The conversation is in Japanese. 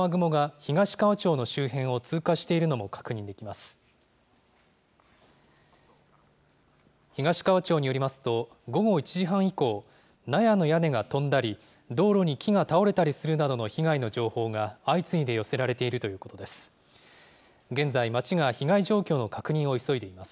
東川町によりますと、午後１時半以降、納屋の屋根が飛んだり、道路に木が倒れたりするなどの被害の情報が相次いで寄せられているということです。